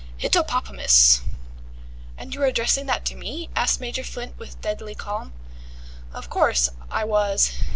"Hittopopamus!" "And were you addressing that to me?" asked Major Flint with deadly calm. "Of course, I was.